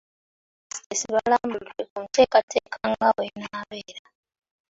Abateesiteesi balambuludde ku nteekateeka nga bw’enaabeera.